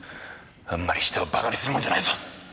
あんまり人をバカにするもんじゃないぞ！